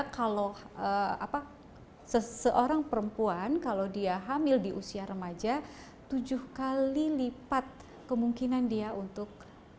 kalau seseorang perempuan kalau dia hamil di usia remaja tujuh kali lipat kemungkinan dia untuk